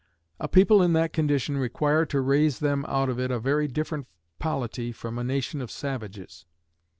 A people in that condition require to raise them out of it a very different polity from a nation of savages.